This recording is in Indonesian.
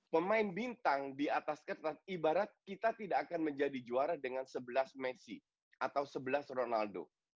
pemain bintang di atas kertas ibarat kita tidak akan menjadi juara dengan sebelas messi atau sebelas ronaldo